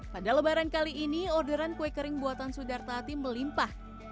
pada lebaran kali ini orderan kue kering buatan sudartati melimpah